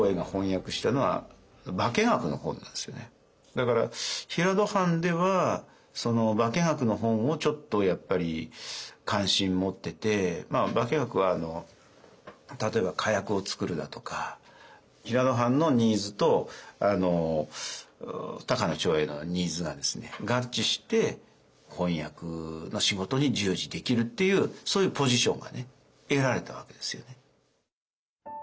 だから平戸藩ではその化学の本をちょっとやっぱり関心持ってて化学は例えば火薬を作るだとか平戸藩のニーズと高野長英のニーズが合致して翻訳の仕事に従事できるっていうそういうポジションが得られたわけですよね。